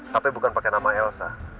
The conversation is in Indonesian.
tapi bukan pakai nama elsa